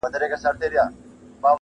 پسرلی دی د زړه وینه راته ګوري